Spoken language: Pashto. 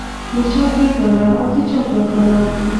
د چا درې کاله او د چا دوه کاله.